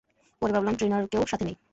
পরে ভাবলাম, ট্রেইনারকেও সাথে নেই।